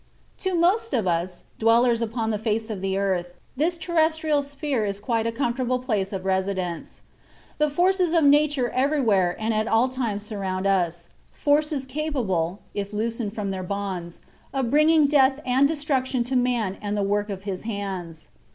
To most of us, dwellers upon the face of the earth, this terrestrial sphere is quite a comfortable place of residence. The forces of Nature everywhere and at all times surround us, forces capable, if loosened from their bonds, of bringing death and destruction to man and the work of his hands.